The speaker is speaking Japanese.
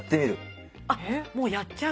あっもうやっちゃう？